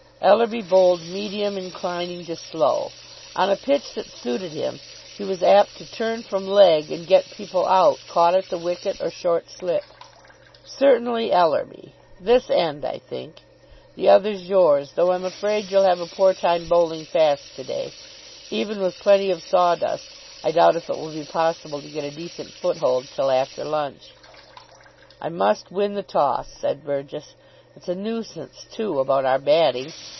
Ellerby bowled medium inclining to slow. On a pitch that suited him he was apt to turn from leg and get people out caught at the wicket or short slip. "Certainly, Ellerby. This end, I think. The other's yours, though I'm afraid you'll have a poor time bowling fast to day. Even with plenty of sawdust I doubt if it will be possible to get a decent foothold till after lunch." "I must win the toss," said Burgess. "It's a nuisance too, about our batting.